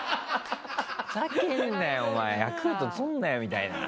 「ふざけんなよお前ヤクルトにすんなよ」みたいな。